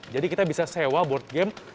jadi kita bisa sewa board game